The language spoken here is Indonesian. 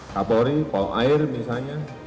kapolri polair misalnya